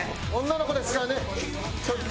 女の子ですからね。